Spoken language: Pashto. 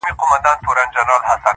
خړي خاوري د وطن به ورته دم د مسیحا سي!!